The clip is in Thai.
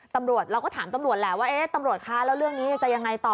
ตำรวจเราก็ถามตำรวจแหละว่าเอ๊ะตำรวจคะแล้วเรื่องนี้จะยังไงต่อ